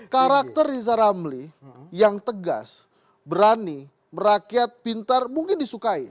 karakter riza ramli yang tegas berani merakyat pintar mungkin disukai